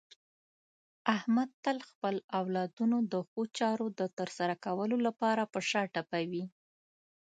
احمد تل خپل اولادونو د ښو چارو د ترسره کولو لپاره په شا ټپوي.